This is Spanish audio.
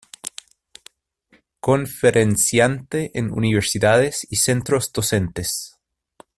Conferenciante en universidades y centros docentes.